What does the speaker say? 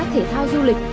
thể thao du lịch